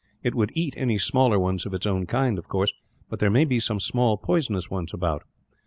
It would eat any smaller ones of its own kind, of course; but there may be some small poisonous ones about."